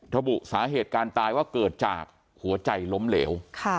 ระบุสาเหตุการตายว่าเกิดจากหัวใจล้มเหลว